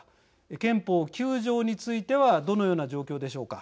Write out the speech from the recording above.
憲法９条についてはどのような状況でしょうか。